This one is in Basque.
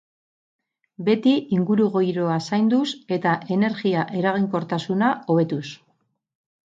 Beti ingurugiroa zainduz eta energia-eraginkortasuna hobetuz.